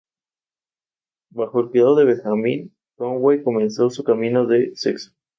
Trabajó como profesora de contabilidad, ayudante de contador y administrativa.